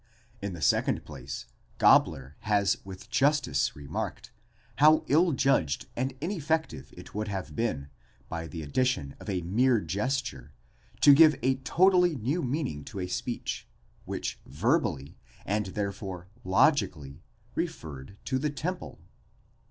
In the second place, Gabler has with justice remarked, how ill judged and ineffective it would have been, by 'the addition of a mere gesture to give a totally new meaning to a speech, which verbally, and therefore logically, referred to the temple.